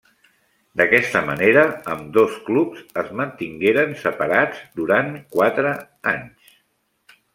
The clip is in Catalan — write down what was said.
D'aquesta manera ambdós clubs es mantingueren separats durant quatre anys.